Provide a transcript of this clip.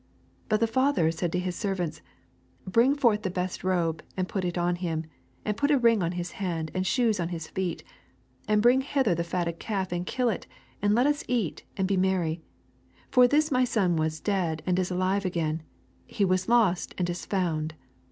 22 !but the father said to his ser vants. Bring forth the best robe, and Eut U on him ; and put a ring on his and, and shoes on his feet : 23 And bring hither tlie fatted cal^ and kill U ; and let us eat, and be merry: 24 For this my son was dead, and is alive again ; he was lost, and in found.